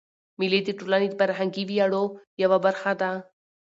مېلې د ټولني د فرهنګي ویاړو یوه برخه ده.